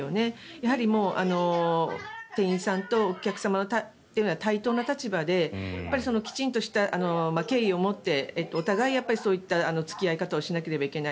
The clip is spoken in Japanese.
やはりもう店員さんとお客様というのは対等な立場できちんとした敬意を持ってお互いに付き合い方をしなければいけない。